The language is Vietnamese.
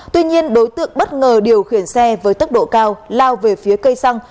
tuy nhiên đối tượng bất ngờ điều khiển xe với tốc độ cao lao về phía cây xăng